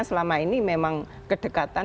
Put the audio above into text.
selama ini memang kedekatan